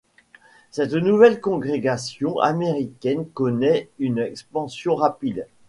Cette nouvelle congrégation américaine connait une expansion rapide.